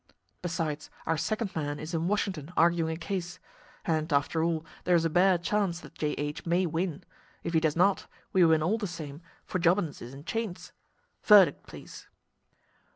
Besides, our second man is in Washington arguing a case; and, after all, there is a bare chance that J.H. may win. If he does not, we win all the same, for Jobbins is in chains. Verdict, please."